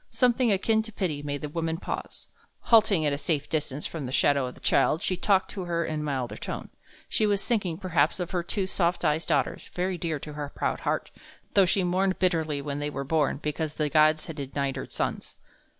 Something akin to pity made the woman pause. Halting at a safe distance from the shadow of the child, she talked to her in a milder tone. She was thinking, perhaps, of her two soft eyed daughters, very dear to her proud heart, though she mourned bitterly when they were born, because the gods had denied her sons.